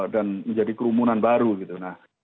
dan menjadi kerumunan baru gitu